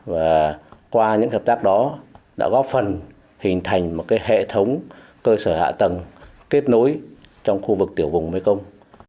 và qua những hợp tác đó đã góp phần hình thành một hệ thống cơ sở hạ tầng kết nối trong khu vực tiểu vùng mekong